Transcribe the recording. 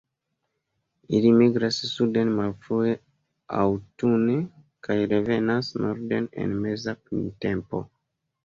Ili migras suden malfrue aŭtune, kaj revenas norden en meza printempo.